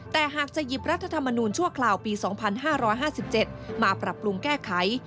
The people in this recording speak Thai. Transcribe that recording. แต่หากจะหยิบรัฐธรรมนูญชั่วคราวปี๒๕๕๗มาปรับปรุงแก้ไข